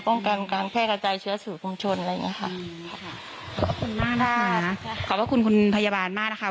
การการแพร่กระจายเชื้อสู่พวงชนอะไรอย่างเงี้ค่ะขอบคุณมากค่ะขอบพระคุณคุณพยาบาลมากนะคะ